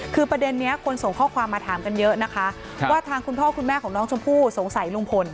คือประเด็นนี้คนส่งข้อความมาถามกันเยอะนะคะว่าทางคุณพ่อคุณแม่ของน้องชมพู่สงสัยลุงพล